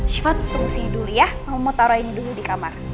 siva tunggu sini dulu ya mama mau taruh ini dulu di kamar